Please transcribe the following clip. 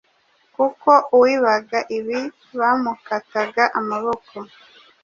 kuko uwibaga igi bamukataga amaboko